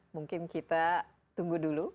mungkin kita tunggu dulu